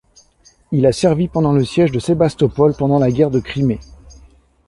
Il a servi pendant le Siège de Sébastapol pendant la Guerre de Crimée.